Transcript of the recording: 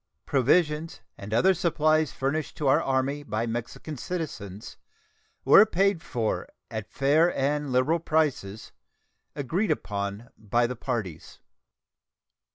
Provisions and other supplies furnished to our Army by Mexican citizens were paid for at fair and liberal prices, agreed upon by the parties.